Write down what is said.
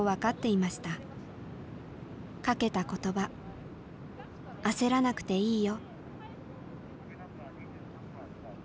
かけた言葉「焦らなくていいよ」。